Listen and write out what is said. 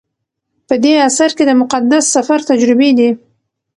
په دې اثر کې د مقدس سفر تجربې دي.